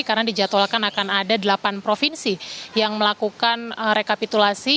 karena dijadwalkan akan ada delapan provinsi yang melakukan rekapitulasi